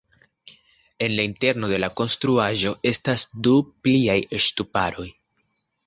En la interno de la konstruaĵo estas du pliaj ŝtuparoj.